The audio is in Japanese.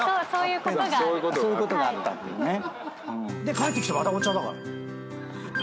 帰ってきてまたお茶だからね。